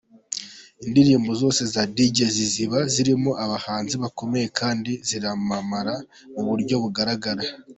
Indirimbo zose za Dj Z ziba zirimo abahanzi bakomeye kandi ziramamara mu buryo bugaragara.